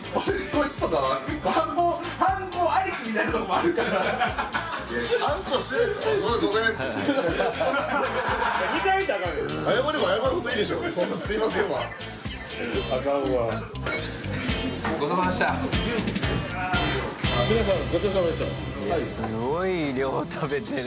いやすごい量食べてる。